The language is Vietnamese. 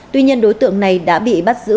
tuy nhiên đối tượng này đã bị bắt giữ